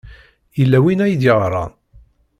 Yella win ay d-yeɣran.